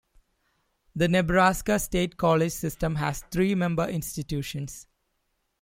The Nebraska State College System has three member institutions.